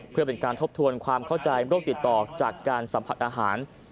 เพื่อเป็นการทบทวนความเข้าใจโรคติดต่อจากการสัมผัสอาหาร